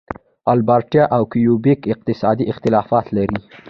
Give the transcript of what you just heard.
البرټا او کیوبیک اقتصادي اختلافات لري.